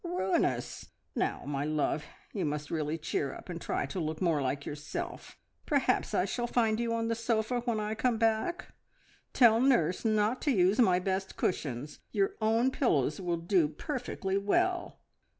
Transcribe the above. Ruinous! Now, my love, you must really cheer up and try to look more like yourself. Perhaps I shall find you on the sofa when I come back. Tell nurse not to use my best cushions; your own pillows will do perfectly well."